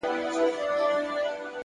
صبر د اوږدو سفرونو قوت دی!.